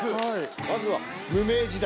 まずは、無名時代。